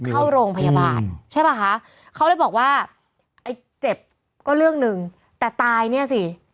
เข้าโรงพยาบาลใช่ป่ะคะเขาเลยบอกว่าไอ้เจ็บก็เรื่องหนึ่งแต่ตายเนี่ยสิ